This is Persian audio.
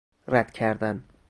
ردکردن